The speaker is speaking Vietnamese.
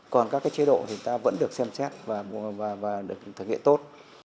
còn các chế độ thì ta vẫn được xem xét và được thực hiện tốt